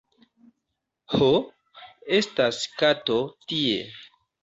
Ho, estas kato tie...